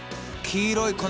黄色い粉。